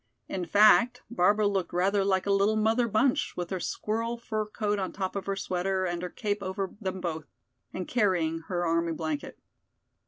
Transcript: In fact, Barbara looked rather like a little "Mother Bunch" with her squirrel fur coat on top of her sweater and her cape over them both, and carrying her army blanket.